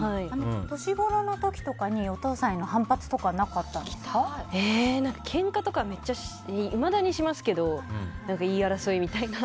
年ごろの時とかにお父さんへの反発とかけんかとかいまだにしますけど言い争いみたいな。